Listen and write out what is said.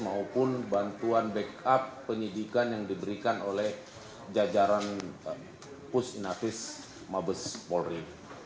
maupun bantuan backup penyidikan yang diberikan oleh jajaran pus inavis mabes polri